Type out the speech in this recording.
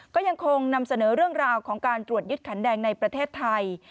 ก็ยังคงนำเสนอเรื่องราวของการตรวจยึดขันแดงในประเทศไทย